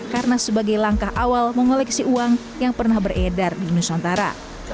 karena sebagai langkah awal mengoleksi uang yang pernah beredar di nusantara